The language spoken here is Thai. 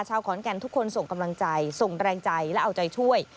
ขอนแก่นทุกคนส่งกำลังใจส่งแรงใจและเอาใจช่วย